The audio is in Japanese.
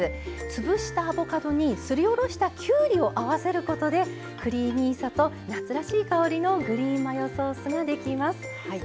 潰したアボカドにすり下ろしたきゅうりを合わせることでクリーミーさと夏らしい香りのグリーンマヨソースができます。